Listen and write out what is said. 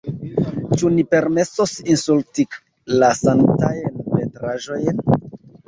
Ĉu ni permesos insulti la sanktajn pentraĵojn?